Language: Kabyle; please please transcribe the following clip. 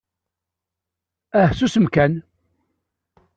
Ah susem kan!